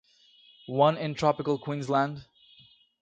One in tropical Queensland.